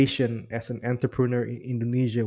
sebagai pembangunan di indonesia